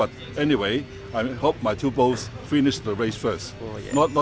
tapi saya berharap kedua bola saya bisa selesai perang terlebih dahulu